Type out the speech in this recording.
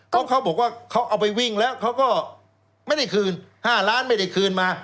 เพราะเขาบอกว่าเขาเอาไปวิ่งแล้วเขาก็ไม่ได้คืน๕ล้านไม่ได้คืนมา